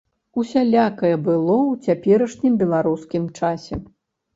Усялякае было ў цяперашнім беларускім часе.